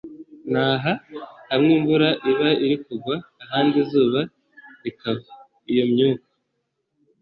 n'aha. hamwe imvura iba iri kugwa, ahandi izuba rikava. iyo myuka